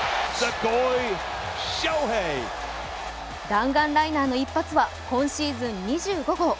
弾丸ライナーの一発は今シーズン２５号。